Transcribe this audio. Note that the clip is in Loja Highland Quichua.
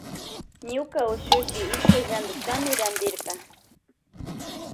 Ñuka ushuhi iskay llantuktami rantirka.